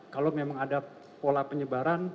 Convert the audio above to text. kalau memang ada pola penyebaran